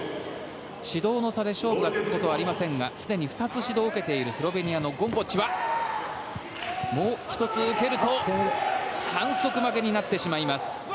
指導の差で勝負がつくことはありませんがすでに２つ指導を受けているスロベニアのゴムボッチはもう１つ受けると反則負けになってしまいます。